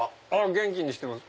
元気にしてます。